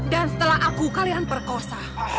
dan setelah aku kalian berkosa